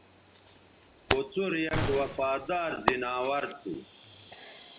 کوڅر یک وفادار زناور تھو